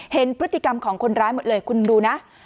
เห็นพฤติกรรมของคนร้ายหมดเลยคุณดูนะ